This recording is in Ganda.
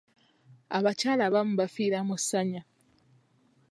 Abakyala abamu bafiira mu ssanya.